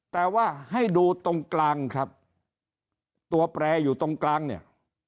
แต่ว่าให้ดูตรงกลางครับตัวแปรอยู่ตรงกลางเนี่ย